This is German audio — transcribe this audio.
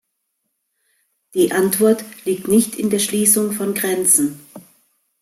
Die Antwort liegt nicht in der Schließung von Grenzen.